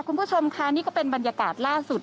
คุณผู้ชมค่ะนี่ก็เป็นบรรยากาศล่าสุด